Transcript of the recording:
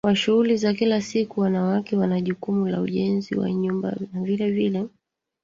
wa shughuli za kila siku Wanawake wana jukumu la ujenzi wa nyumba na vilevile